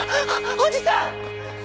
おじさん！